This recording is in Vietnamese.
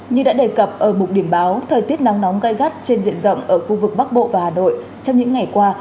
như đã đề cập ở bụng điểm báo thời tiết nắng nóng gai gắt trên diện rộng ở khu vực bắc bộ và hà nội trong những ngày qua